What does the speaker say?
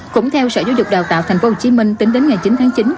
cũng theo sở giáo dục đào tạo tp hcm tính đến ngày chín tháng chín